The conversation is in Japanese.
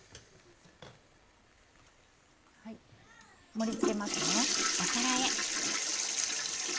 盛り付けます。